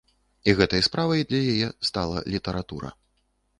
І гэтай справай для яе стала літаратура.